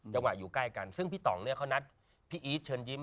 อยู่ใกล้กันซึ่งพี่ต่องเนี่ยเขานัดพี่อีทเชิญยิ้ม